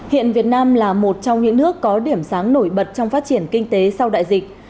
hiện việt nam là một trong những nước có điểm sáng nổi bật trong phát triển kinh tế sau đại dịch